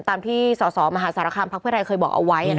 ตามที่สสมหาสารคามพักเพื่อไทยเคยบอกเอาไว้